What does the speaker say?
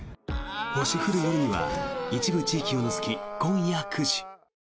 「星降る夜に」は一部地域を除き、今夜９時。